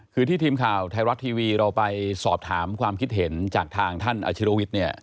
คือที่ทีมข่าวไทยรัฐทีวีเราไปสอบถามความคิดเห็นจากทางท่านอาชิรวิทย์เนี่ย